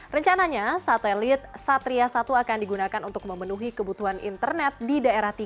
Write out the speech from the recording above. rencananya satelit satria satu akan digunakan untuk memenuhi kebutuhan internet di daerah tiga